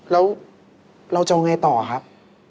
แล้วเราจะเอาไงต่อครับ